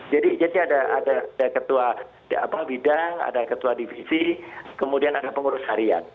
jadi jadi ada ada ketua di apa bidang ada ketua divisi kemudian ada pengurus harian